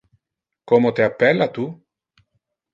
Como te appella tu?